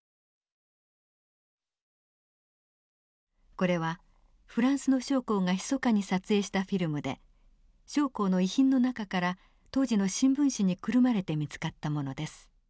これはフランスの将校がひそかに撮影したフィルムで将校の遺品の中から当時の新聞紙にくるまれて見つかったものです。